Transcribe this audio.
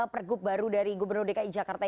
pergub baru dari gubernur dki jakarta